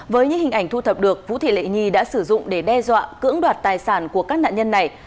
với những hình ảnh thu thập được vũ thị lệ nhi đã sử dụng để đe dọa cưỡng đoạt tài sản của các nạn nhân này